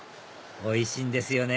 おいしいんですよね